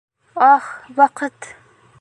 Ах, ваҡыт!